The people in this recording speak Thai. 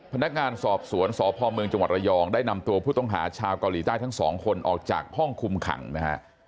พนักงานสอบสวนสพเมืองจังหวัดระยองได้นำตัวผู้ต้องหาชาวเกาหลีใต้ทั้งสองคนออกจากห้องคุมขังนะฮะ